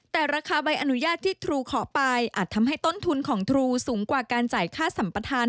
แต่ราคาใบอนุญาตที่ครูขอไปอาจทำให้ต้นทุนของครูสูงกว่าการจ่ายค่าสัมปทาน